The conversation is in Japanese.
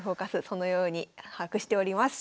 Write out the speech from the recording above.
そのように把握しております。